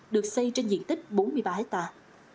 được xây trên diện tích bốn mươi ba hectare